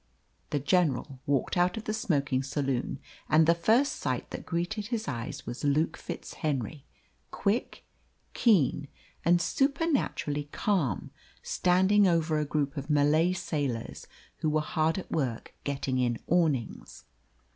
The general walked out of the smoking saloon, and the first sight that greeted his eyes was Luke FitzHenry, quick, keen, and supernaturally calm, standing over a group of Malay sailors who were hard at work getting in awnings.